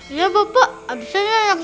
iya bapak abis ini enak sekali